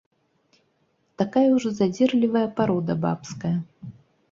Такая ўжо задзірлівая парода бабская.